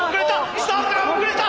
スタートが遅れた！